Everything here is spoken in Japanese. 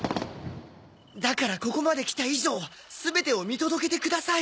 だからここまできた以上全てを見届けてください！